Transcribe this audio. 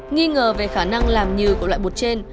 nghi ngờ về khả năng làm như của loại bột trên